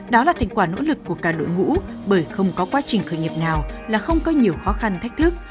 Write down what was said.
đó là thành quả nỗ lực của cả đội ngũ bởi không có quá trình khởi nghiệp nào là không có nhiều khó khăn thách thức